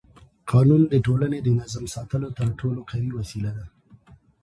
قانون د ټولنې د نظم ساتلو تر ټولو قوي وسیله ده